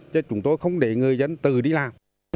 chứ chúng tôi không để người dân tự đi làm